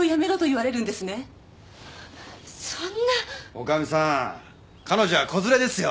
女将さん彼女は子連れですよ